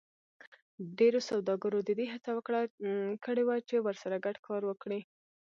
ډېرو سوداګرو د دې هڅه کړې وه چې ورسره ګډ کار وکړي